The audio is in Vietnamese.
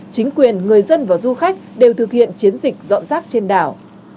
chính quyền người dân và du khách đều thực hiện chiến dịch dọn rác trên đảo